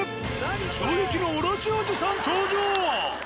衝撃の大蛇おじさん登場。